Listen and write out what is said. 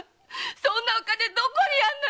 そんなお金どこにあんのよ！